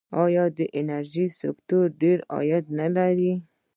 آیا د انرژۍ سکتور ډیر عاید نلري؟